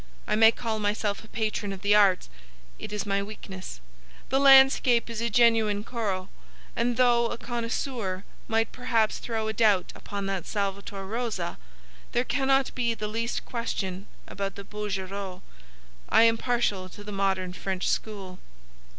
I may call myself a patron of the arts. It is my weakness. The landscape is a genuine Corot, and, though a connoisseur might perhaps throw a doubt upon that Salvator Rosa, there cannot be the least question about the Bouguereau. I am partial to the modern French school."